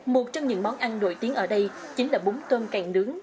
một trong những món ăn nổi tiếng ở đây chính là bún tôm càng nướng